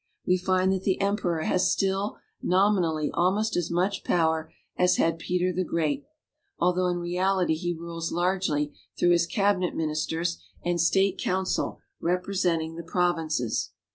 We find that the emperor has still, nominally, almost as much power as had Peter the Great; although in reality he rules largely through his cabinet ministers and state council representing the provinces.